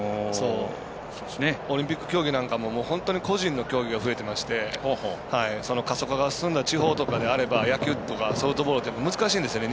オリンピック競技なんかも本当に個人の競技が増えてまして過疎化が進んだ地方とかであれば野球とかソフトボールって難しいんですよね